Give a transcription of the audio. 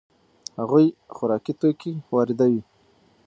هغوی خوراکي توکي واردوي.